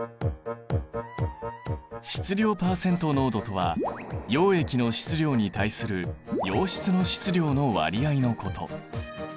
質量パーセント濃度とは溶液の質量に対する溶質の質量の割合のこと。